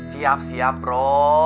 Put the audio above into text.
siap siap bro